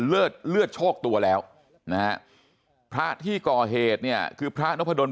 เลือดเลือดโชคตัวแล้วนะฮะพระที่ก่อเหตุเนี่ยคือพระนพดล